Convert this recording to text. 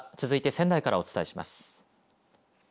続いて仙台からお伝えします。